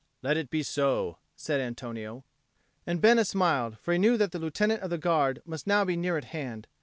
"Let it be so," said Antonio. And Bena smiled, for he knew that the Lieutenant of the Guard must now be near at hand.